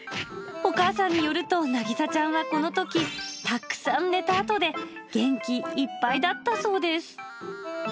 お母さんによると、なぎさちゃんはこのとき、たくさん寝たあとで、元気いっぱいだったそうです。